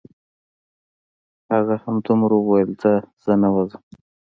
هغه همدومره وویل: ځه زه نه وځم.